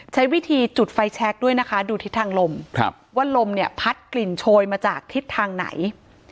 ใช้วิธีจุดไฟแชคด้วยนะคะดูทิศทางลมว่าลมเนี่ยพัดกลิ่นโชยมาจากทิศทางไหน